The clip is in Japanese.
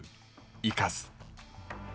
生かす。